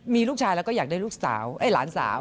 มีลูกชายแล้วก็อยากให้หลานสาว